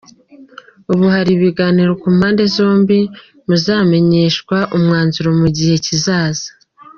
Ubu hari ibiganiro ku mpande zombi, muzamenyeshwa umwanzuro mu gihe kizaza.